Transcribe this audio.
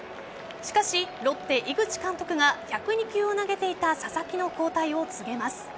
しかしロッテ・井口監督が１０２球を投げていた佐々木の交代を告げます。